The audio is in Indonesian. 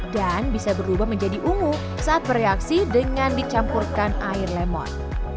dan bisa berubah menjadi ungu saat bereaksi dengan dicampurkan air lemon